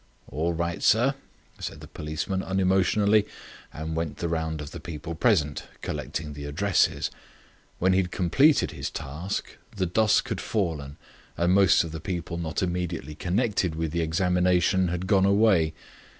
"All right, sir," said the policeman unemotionally, and went the round of the people present, collecting the addresses. When he had completed his task the dusk had fallen and most of the people not immediately connected with the examination had gone away.